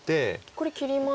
これ切りますと。